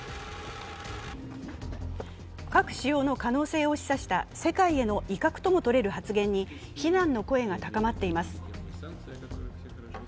核使用の可能性を示唆した世界への威嚇ともとれる発言に非難の声が高まっています。